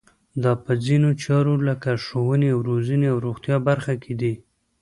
دا په ځینو چارو لکه ښوونې او روزنې او روغتیایي برخه کې دي.